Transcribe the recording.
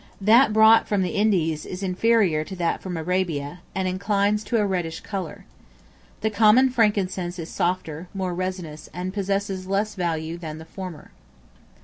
That brought from the Indies is inferior to that from Arabia, and inclines to a reddish color. The common frankincense is softer, more resinous, and possesses less value than the former.